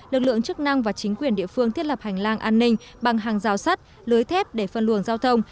lực lượng chức năng và chính quyền địa phương thiết lập hành lang an ninh bằng hàng rào sắt lưới thép để phân luồng giao thông